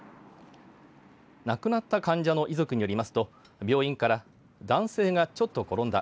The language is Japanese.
亡くなった患者の遺族によりますと病院から男性がちょっと転んだ。